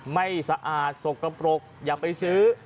สะอาดสกปรกอย่าไปซื้อ